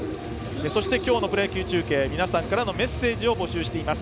そして今日のプロ野球中継では皆さんからのメッセージも募集しています。